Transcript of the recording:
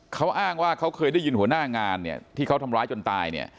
เขาอ้างว่าเขาเคยได้ยินหัวหน้างานเนี่ยที่เขาทำร้ายจนตายเนี่ย